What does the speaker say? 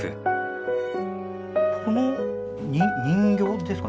この人形ですか？